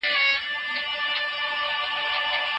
د سړي سر عايد د ټولني د هوساينې استازيتوب کوي.